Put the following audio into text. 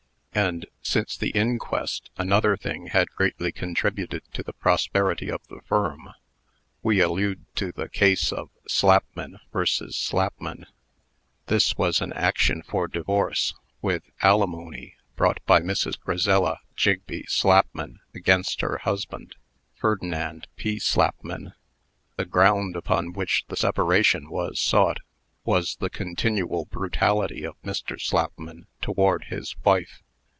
And, since the inquest, another thing had greatly contributed to the prosperity of the firm. We allude to the case of Slapman vs. Slapman. This was an action for divorce, with alimony, brought by Mrs. Grazella Jigbee Slapman against her husband, Ferdinand P. Slapman. The ground upon which the separation was sought, was the continual brutality of Mr. Slapman toward his wife.